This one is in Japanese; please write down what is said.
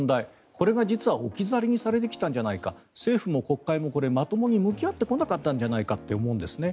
これが実は置き去りにされてきたんじゃないか政府も国会もまともに向き合ってこなかったんじゃないかと思うんですね。